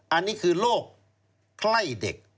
อันนี้คือโรคไข้เด็ก